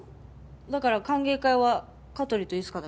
だから歓迎会は香取といつかだけで。